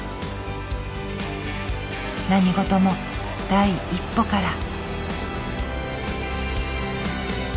何事も第一歩から。